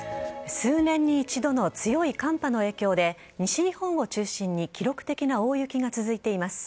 数年に一度の強い寒波の影響で、西日本を中心に記録的な大雪が続いています。